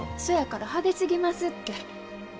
そやから派手すぎますって。